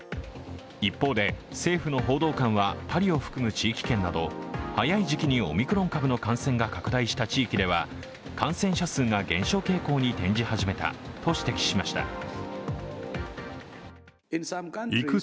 一方で、政府の報道官はパリを含む地域圏など早い時期にオミクロン株の感染が拡大した地域では感染者数が減少傾向に転じ始めたと指摘しました。